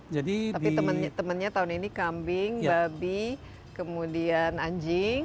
tapi temannya tahun ini kambing babi kemudian anjing